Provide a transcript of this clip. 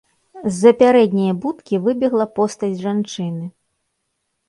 З-за пярэдняе будкі выбегла постаць жанчыны.